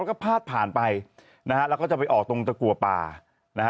แล้วก็พาดผ่านไปนะฮะแล้วก็จะไปออกตรงตะกัวป่านะฮะ